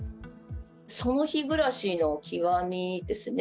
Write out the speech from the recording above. その日暮らしの極みですね。